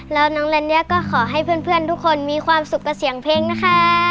แล้วน้องลัญญาก็ขอให้เพื่อนทุกคนมีความสุขกับเสียงเพลงนะคะ